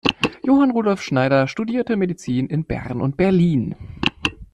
Johann Rudolf Schneider studierte Medizin in Bern und Berlin.